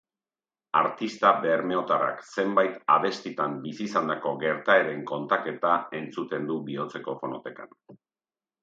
Artista bermeotarrak zenbait abestitan bizi izandako gertaeren kontaketa entzuten du bihotzeko fonotekan.